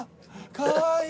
かわいい！